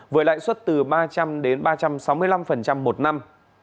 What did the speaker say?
với lãi suất từ ba trăm linh đến ba trăm sáu mươi năm một năm